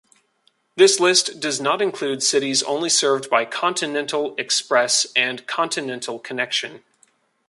This list does not include cities only served by Continental Express and Continental Connection.